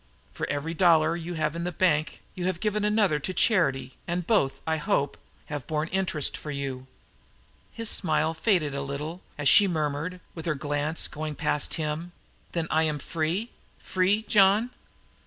For every dollar you have in the bank you have given another to charity, and both, I hope, have borne interest for you!" His smile faded a little, as she murmured, with her glance going past him: "Then I am free? Free, John?"